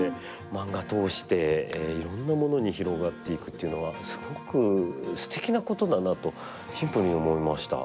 マンガ通していろんなものに広がっていくっていうのはすごくすてきなことだなとシンプルに思いました。